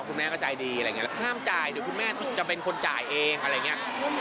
คุณแม่ก็ใจดีอะไรอย่างนี้แหละห้ามจ่ายเดี๋ยวคุณแม่จะเป็นคนจ่ายเองอะไรอย่างเงี้ย